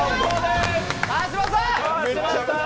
川島さん。